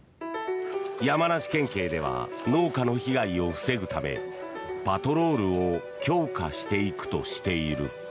山梨県警では農家の被害を防ぐためパトロールを強化していくとしている。